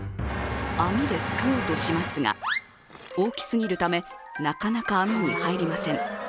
網ですくおうとしますが大きすぎるためなかなか網に入りません。